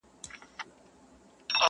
که زما منۍ د دې لولۍ په مینه زړه مه تړی!.